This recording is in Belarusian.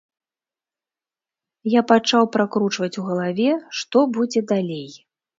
Я пачаў пракручваць у галаве, што будзе далей.